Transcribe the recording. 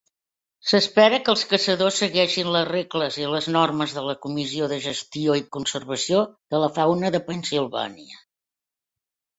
S'espera que els caçadors segueixin les regles i les normes de la Comissió de Gestió i Conservació de la Fauna de Pennsilvània.